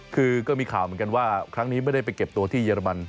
คือก็มีข่าวเหมือนกันว่าครั้งนี้ไม่ได้ไปเก็บตัวที่เยอรมัน